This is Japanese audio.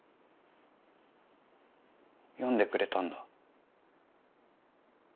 読んでくれたんだ。